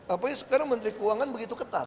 apalagi sekarang menteri keuangan begitu ketat